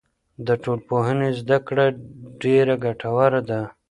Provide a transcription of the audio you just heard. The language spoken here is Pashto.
د ټولنپوهنې زده کړه ډېره ګټوره ده.